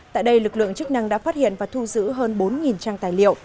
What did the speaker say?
tại đây lực lượng chức năng đã phát hiện và thu giữ hơn bốn trang tài liệu